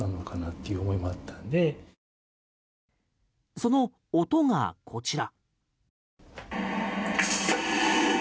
その音がこちら。